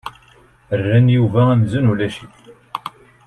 Rran Yuba amzun ulac-it.